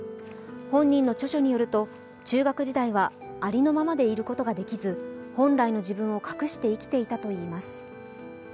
本人の著書によると、中学時代はありのままでいることができず本来の自分を隠して生きていたといいます。